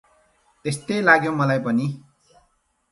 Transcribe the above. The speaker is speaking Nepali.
तेस्तै लाग्यो मलाई पनि ।